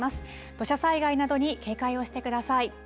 土砂災害などに警戒をしてください。